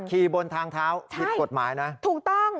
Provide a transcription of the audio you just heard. ขี่บนทางเท้านี่กฎหมายนะใช่ถูกต้อง